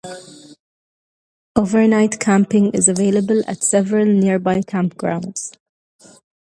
Overnight camping is available at several nearby campgrounds.